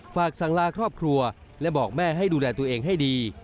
ฝากสั่งลาครอบครัวและบอกแม่ให้ดูแลตัวเองให้ดี